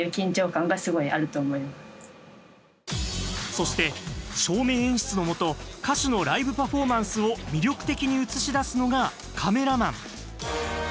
そして、照明演出のもと歌手のライブパフォーマンスを魅力的に映し出すのがカメラマン。